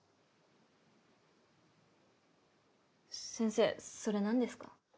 先生それなんですか？